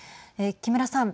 木村さん。